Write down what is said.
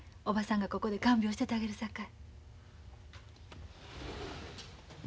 おばさんがここで看病しててあげるさかい。